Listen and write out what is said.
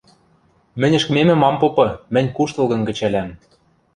мӹнь ӹшкӹмемӹм ам попы, мӹнь куштылгым кӹчӓлӓм